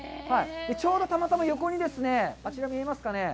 ちょうどたまたま横にあちら見えますかね